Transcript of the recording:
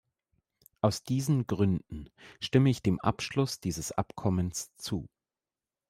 Aus diesen Gründen stimme ich dem Abschluss dieses Abkommens zu.